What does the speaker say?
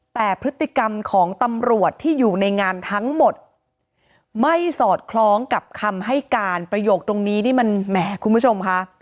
แต่พฤติกรรมของตำรวจที่อยู่ในงานทั้งหมดไม่สอดคล้องกับคำให้การประโยคตรงนี้นี่มันแหมคุณผู้ชมค่ะ